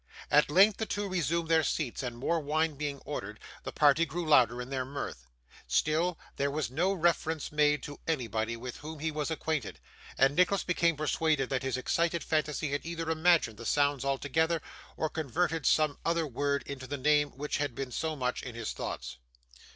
At length the two resumed their seats, and more wine being ordered, the party grew louder in their mirth. Still there was no reference made to anybody with whom he was acquainted, and Nicholas became persuaded that his excited fancy had either imagined the sounds altogether, or converted some other words into the name which had been so much in his thoughts.